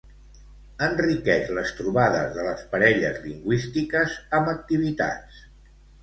enriqueix les trobades de les parelles lingüístiques amb activitats